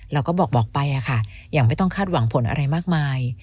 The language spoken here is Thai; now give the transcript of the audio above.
เราก็บอกไปค่ะยังไม่ต้องคาดหวังผลอะไรมากมาย